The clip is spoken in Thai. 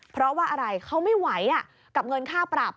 เพราะว่าอะไรเขาไม่ไหวกับเงินค่าปรับ